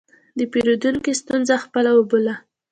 د پیرودونکي ستونزه خپله وبوله.